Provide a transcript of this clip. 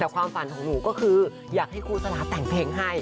ก็คืออยากให้ครูสลาแต่งเพลงให้